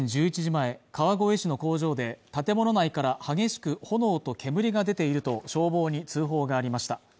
前川越市の工場で建物内から激しく炎と煙が出ていると消防に通報がありました